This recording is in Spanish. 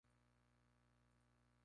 Existen cuatro vocales básicas en navajo.